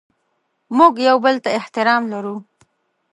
موږ یو بل ته احترام لرو.